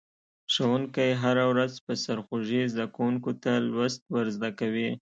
ښوونکی هره ورځ په سرخوږي زده کونکو ته لوست ور زده کوي.